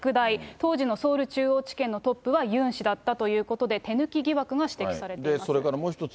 当時のソウル中央地検のトップはユン氏だったということで、手抜それからもう一つ